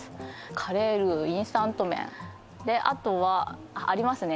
カレールウインスタント麺であとはありますね